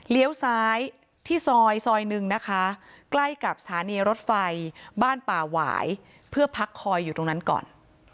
ซ้ายที่ซอยซอยหนึ่งนะคะใกล้กับสถานีรถไฟบ้านป่าหวายเพื่อพักคอยอยู่ตรงนั้นก่อน